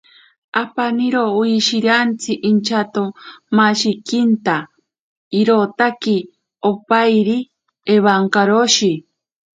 Aparoni wishiriantsi inchatyakimashikinta irotaki opairi ewankaroshi.